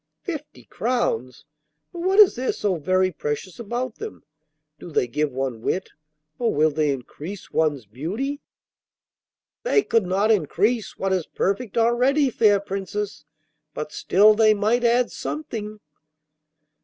'Fifty crowns! But what is there so very precious about them? Do they give one wit, or will they increase one's beauty?' 'They could not increase what is perfect already, fair Princess, but still they might add something.